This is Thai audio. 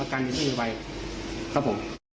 ครับผม